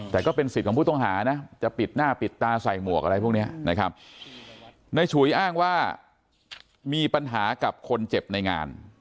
แต่ก็เป็นสิทธิ์ของผู้ต้องหานะจะปิดหน้าปิดตาใส่หมวกอะไรพวกนี้นะครับในฉุยอ้างว่ามีปัญหากับคนเจ็บในงาน